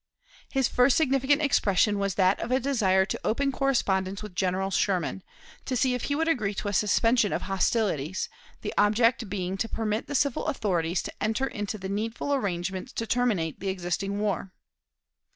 His first significant expression was that of a desire to open correspondence with General Sherman, to see if he would agree to a suspension of hostilities, the object being to permit the civil authorities to enter into the needful arrangements to terminate the existing war.